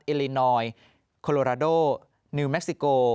อินลินอยโคโลราโดนิวเม็กซิโก